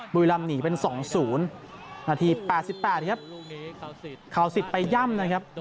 บุรีรำหนีเป็น๒๐นาที๘๘ครับข่าวสิทธิ์ไปย่ำนะครับ